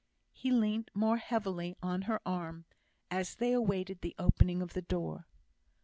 He leant more heavily on her arm, as they awaited the opening of the door.